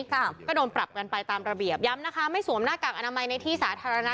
ค่ะก็โดนปรับกันไปตามระเบียบย้ำนะคะไม่สวมหน้ากากอนามัยในที่สาธารณะ